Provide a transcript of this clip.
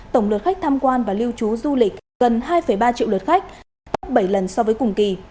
tổng lượt khách tham quan và lưu trú du lịch gần hai ba triệu lượt khách gấp bảy lần so với cùng kỳ